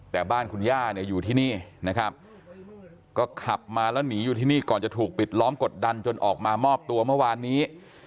แต่บ้านคุณย่าเนี่ยอยู่ที่นี่นะครับก็ขับมาแล้วหนีอยู่ที่นี่ก่อนจะถูกปิดล้อมกดดันจนออกมามอบตัวเมื่อวานนี้